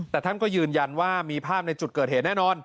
แต่ท่านก็ยืนยันว่ามีภาพในจุดเกิดเหตุแน่นอน